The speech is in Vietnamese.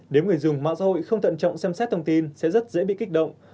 nếu người dùng mạng xã hội không tận trọng xem xét thông tin sẽ rất dễ bị kích động